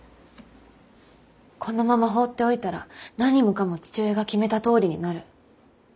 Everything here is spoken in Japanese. このまま放っておいたら何もかも父親が決めたとおりになる。